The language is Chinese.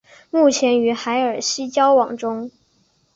目前与海尔希交往中。